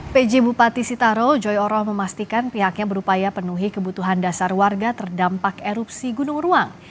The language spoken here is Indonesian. pj bupati sitaro joyoroh memastikan pihaknya berupaya penuhi kebutuhan dasar warga terdampak erupsi gunung ruang